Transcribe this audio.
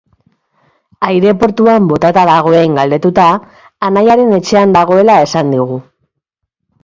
Aireportuan botata dagoen galdetuta, anaiaren etxean dagoela esan digu.